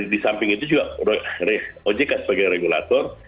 di samping itu juga ojk sebagai regulator